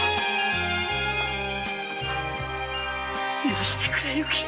許してくれ由紀。